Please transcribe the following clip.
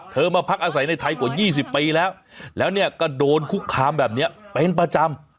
มาพักอาศัยในไทยกว่า๒๐ปีแล้วแล้วเนี่ยก็โดนคุกคามแบบนี้เป็นประจำ